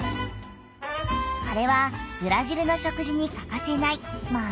これはブラジルの食事にかかせない「豆」！